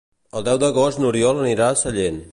El deu d'agost n'Oriol anirà a Sallent.